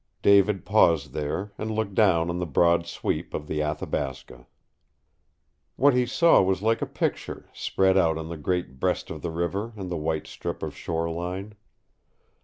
David paused there and looked down on the broad sweep of the Athabasca. What he saw was like a picture spread out on the great breast of the river and the white strip of shoreline.